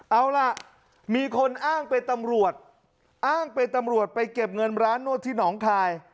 เอาล่ะมีคนอ้างเป็นตำรวจอ้างเป็นตำรวจไปเก็บเงินร้านนวดที่หนองคาย